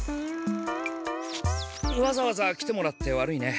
わざわざ来てもらって悪いね。